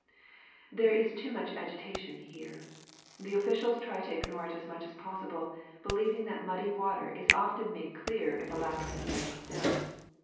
There is too much agitation here. The officials try to ignore it as much as possible, believing that muddy water is often made clear if allowed to stand still.